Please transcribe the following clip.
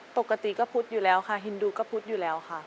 ปกติก็พุธอยู่แล้วค่ะฮินดูก็พุธอยู่แล้วค่ะ